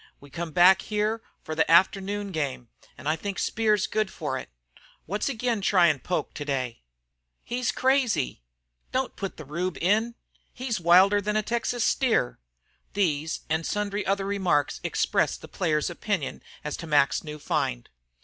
We come back here for the afternoon game, an' I think Speer's good for it. What's agin tryin' Poke today?" "He's crazy." "Don't put the Rube in." "He's wilder than a Texas steer." These and sundry other remarks expressed the players' opinion as to Mac's new find.